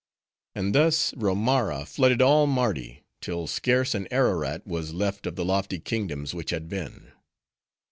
And thus, Romara flooded all Mardi, till scarce an Ararat was left of the lofty kingdoms which had been.